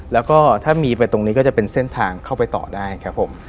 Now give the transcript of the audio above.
แล้วก็ถ้ามีไปตรงนี้ก็จะเป็นเส้นทางเข้าไปต่อได้ครับผม